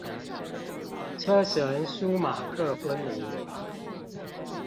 車神舒馬克昏迷